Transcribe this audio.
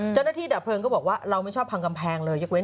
เจ้าหน้าที่ดะเพิงก็บอกว่าเราไม่ชอบพังกำแพงเลยยกเว้น